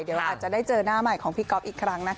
เดี๋ยวอาจจะได้เจอหน้าใหม่ของพี่ก๊อฟอีกครั้งนะคะ